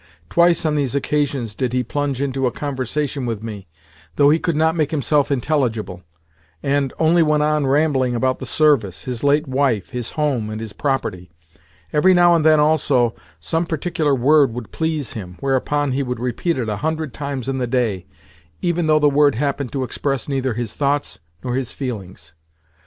Twice, on these occasions, did he plunge into a conversation with me, though he could not make himself intelligible, and only went on rambling about the service, his late wife, his home, and his property. Every now and then, also, some particular word would please him; whereupon he would repeat it a hundred times in the day—even though the word happened to express neither his thoughts nor his feelings.